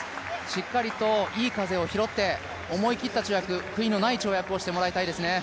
しっかりといい風を拾って思い切った跳躍、悔いのない跳躍をしてもらいたいですね。